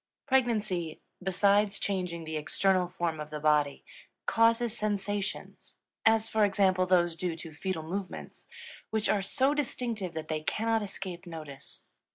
Pregnancy, besides changing the external form of the body, causes sensations as for example those due to fetal movements which are so distinctive that they cannot escape notice.